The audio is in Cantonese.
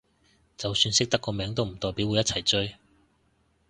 就算識得個名都唔代表會一齊追